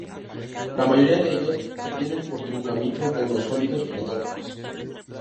La mayoría de ellos se obtienen por truncamiento de los sólidos platónicos.